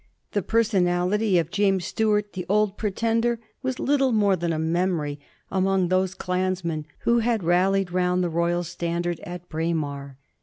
The personality of James Stuart, the Old Pretender, was little more than a memory among those clansmen who had ral lied round the royal standard at Braemar.